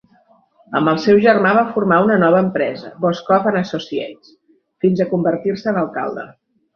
Amb el seu germà va formar una nova empresa 'Boshcoff and Associates" fins a convertir-se en alcalde.